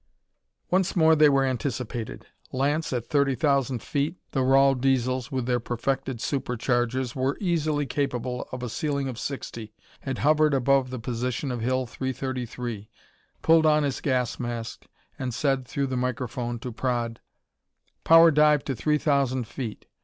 Once more they were anticipated! Lance, at thirty thousand feet the Rahl Diesels, with their perfected superchargers, were easily capable of a ceiling of sixty had hovered above the position of Hill 333, pulled on his gas mask and said through the microphone to Praed: "Power dive to three thousand feet.